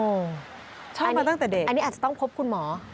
ใช่มาตั้งแต่เด็กอันนี้อาจจะต้องพบคุณหมอ